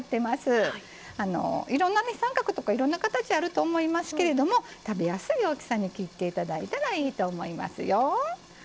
いろんなね三角とかいろんな形あると思いますけれども食べやすい大きさに切って頂いたらいいと思いますよ。